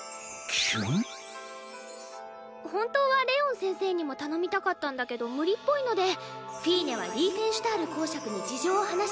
本当はレオン先生にも頼みたかったんだけど無理っぽいのでフィーネはリーフェンシュタール侯爵に事情を話し